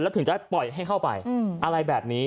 และถึงจะให้ปล่อยให้เข้าไปอืมอะไรแบบนี้